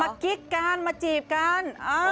กิ๊กกันมาจีบกัน